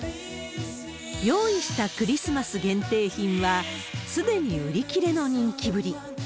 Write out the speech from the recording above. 用意したクリスマス限定品は、すでに売り切れの人気ぶり。